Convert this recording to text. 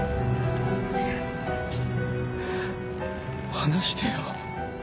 放してよ。